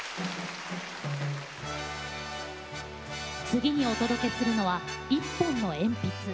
次にお届けするのは「一本の鉛筆」。